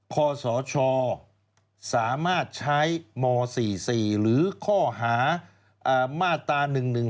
คศสามารถใช้ม๔๔หรือข้อหามาตรา๑๑๒